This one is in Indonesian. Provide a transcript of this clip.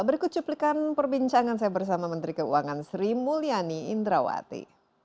berikut cuplikan perbincangan saya bersama menteri keuangan sri mulyani indrawati